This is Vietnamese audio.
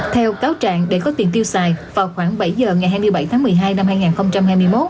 theo cáo trạng để có tiền tiêu xài vào khoảng bảy giờ ngày hai mươi bảy tháng một mươi hai năm hai nghìn hai mươi một